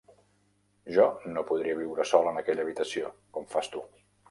Jo no podria viure sol en aquella habitació, com fas tu.